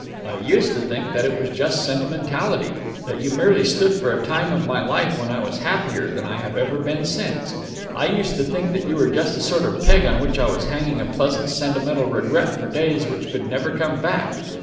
I used to think that it was just sentimentality, that you merely stood for a time of my life when I was happier than I have ever been since. I used to think that you were just a sort of peg on which I was hanging a pleasant sentimental regret for days which could never come back.